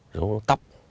dấu vết tóc